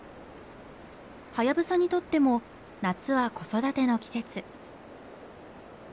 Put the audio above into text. ハヤブサにとっても夏は子育ての季節。